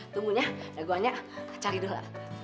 tunggu ya ya gue hanya cari dulu